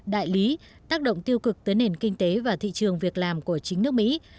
đại lý tác động tiêu cực tới nền kinh tế và thị trường việc làm của chính nước mỹ